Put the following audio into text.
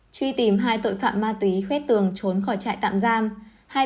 chuy tìm hai tội phạm ma túy khuết tường trốn khỏi trại tạm giam